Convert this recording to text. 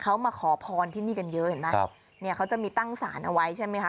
เขามาขอพรที่นี่กันเยอะเห็นไหมครับเนี่ยเขาจะมีตั้งสารเอาไว้ใช่ไหมคะ